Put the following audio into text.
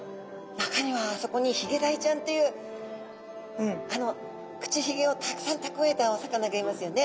中にはあそこにヒゲダイちゃんというあの口ひげをたくさんたくわえたお魚がいますよね。